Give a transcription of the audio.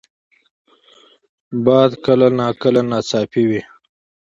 باد کله کله ناڅاپي وي